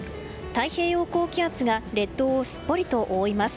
太平洋高気圧が列島をすっぽりと覆います。